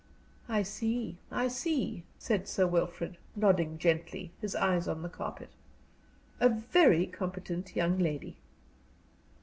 "I see I see," said Sir Wilfrid, nodding gently, his eyes on the carpet. "A very competent young lady."